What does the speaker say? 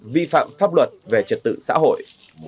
vi phạm pháp luật về trật tự xã hội